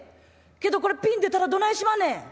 けどこれピン出たらどないしまんねん！？